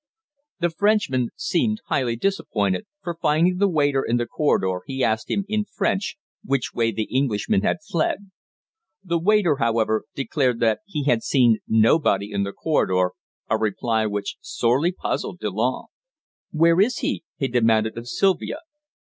The Frenchman seemed highly disappointed, for finding the waiter in the corridor he asked him in French which way the Englishman had fled. The waiter, however, declared that he had seen nobody in the corridor, a reply which sorely puzzled Delanne. "Where is he?" he demanded of Sylvia.